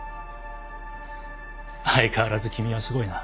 相変わらず君はすごいな。